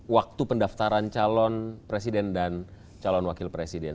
waktu pendaftaran calon presiden dan calon wakil presiden